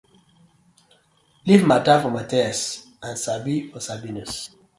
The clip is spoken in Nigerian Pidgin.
Leave mata for Mathias and Sabi for Sabinus: